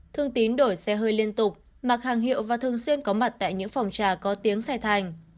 thương tín đổi xe hơi liên tục mặc hàng hiệu và thường xuyên có mặt tại những phòng trà có tiếng xe thành